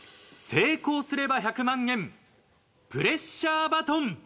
成功すれば１００万円プレッシャーバトン。